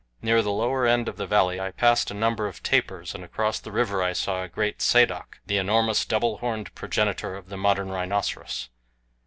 Near the lower end of the valley I passed a number of tapirs, and across the river saw a great sadok, the enormous double horned progenitor of the modern rhinoceros.